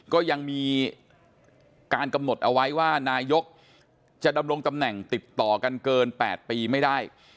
ก็ยังมีการกำหนดเอาไว้ว่านายกจะดำรงตำแหน่งติดต่อกันเกิน๘ปีไม่ได้